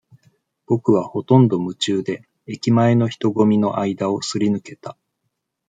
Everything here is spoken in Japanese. ぼくは、ほとんど夢中で、駅前の人ごみの間をすり抜けた。